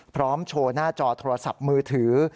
พร้อมโชว์หน้าจอโทรศัพท์มือถือ